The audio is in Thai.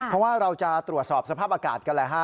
เพราะว่าเราจะตรวจสอบสภาพอากาศกันแหละฮะ